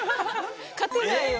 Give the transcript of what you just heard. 勝てないよ。